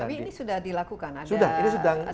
tapi ini sudah dilakukan ada prototipe nya